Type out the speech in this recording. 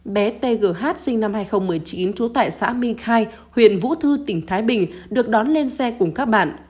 bé tgh sinh năm hai nghìn một mươi chín trú tại xã minh khai huyện vũ thư tỉnh thái bình được đón lên xe cùng các bạn